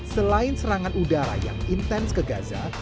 selain serangan udara yang intens ke gaza